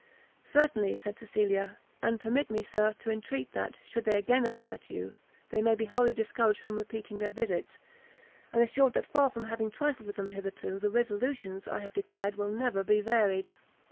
"Certainly;" said Cecilia, "and permit me, Sir, to entreat that, should they again apply to you, they may be wholly discouraged from repeating their visits, and assured that far from having trifled with them hitherto, the resolutions I have declared will never be varied."